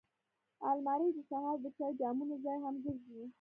الماري د سهار د چای جامونو ځای هم ګرځي